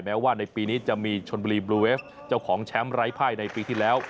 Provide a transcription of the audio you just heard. แม้ว่าในปีนี้จะมีชนบุรีบลูเวฟเจ้าของแชมป์ไร้ภายในปีที่แล้ว